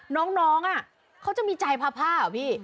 น้องน้องน่ะเขาจะมีใจพาเหรอพี่